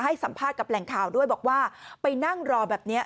ให้สัมภาษณ์กับแหล่งข่าวด้วยบอกว่าไปนั่งรอแบบนี้